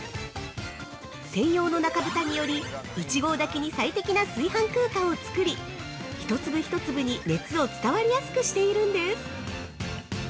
専用の中ぶたにより１合炊きに最適な炊飯空間を作り一粒一粒に熱を伝わりやすくしているんです。